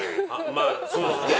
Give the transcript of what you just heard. まあそうですね。